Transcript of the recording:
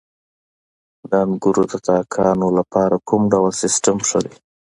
د انګورو د تاکونو لپاره کوم ډول سیستم ښه دی؟